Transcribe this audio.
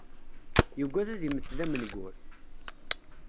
Yugad ad immet d amengur.